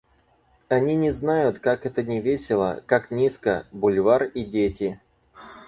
Они не знают, как это невесело, как низко... Бульвар и дети.